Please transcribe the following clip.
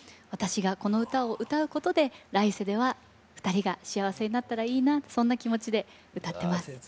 私がこの歌を歌うことで来世では２人が幸せになったらいいなとそんな気持ちで歌ってます。